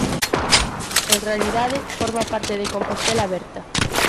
En realidade, forma parte de Compostela Aberta.